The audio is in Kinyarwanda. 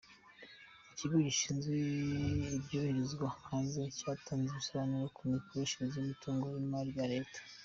Ikigo gishinzwe ibyoherezwa hanze cyatanze ibisobanuro ku mikoreshereze y’umutungo n’imari bya Leta